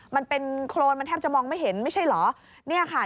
มันเป็นโครนมันแทบจะมองไม่เห็นไม่ใช่เหรอ